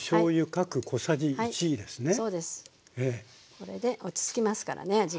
これで落ち着きますからね味が。